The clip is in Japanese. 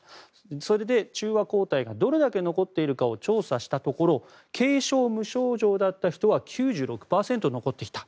それで中和抗体が、どれだけ残っているか調査したところ軽症・無症状だった人は９６％残っていた。